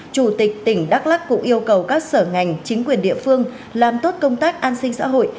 chủ tịch tỉnh đắk lắc cũng yêu cầu các sở ngành chính quyền địa phương làm tốt công tác an sinh xã hội